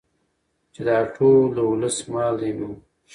چې دا ټول د ولس مال دى نو